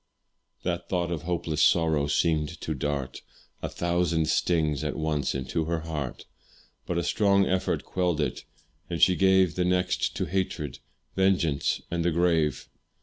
That thought of hopeless sorrow seemed to dart A thousand stings at once into her heart; But a strong effort quelled it, and she gave The next to hatred, vengeance, and the grave.